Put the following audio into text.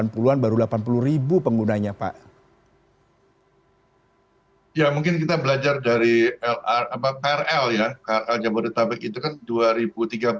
satu ratus tiga puluh delapan puluhan baru delapan puluh penggunanya pak ya mungkin kita belajar dari lr rl rl jabodetabek itu dua ribu tiga belas itu